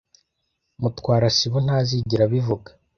Mutwara sibo ntazigera abivuga.